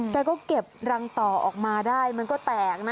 แกก็เก็บรังต่อออกมาได้มันก็แตกนะ